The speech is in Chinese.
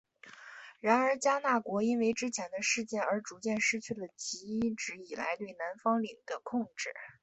然而迦纳国因为之前的事件而逐渐失去了其一直以来对南方领的控制。